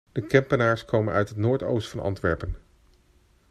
De Kempenaars komen uit het noordoosten van Antwerpen.